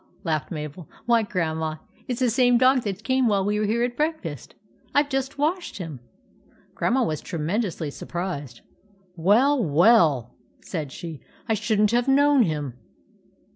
laughed Mabel. "Why, Grandma, it 's the same dog that came while we were at breakfast. I 've just washed him." Grandma was tremendously surprised. "Well, well!" said she. "I shouldn't have known him."